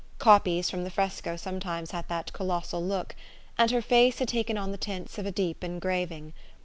Copies from the fresco sometimes had that colossal look, and her face had taken on the tints of a deep engraving.